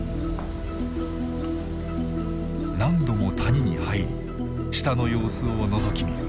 何度も谷に入り下の様子をのぞき見る。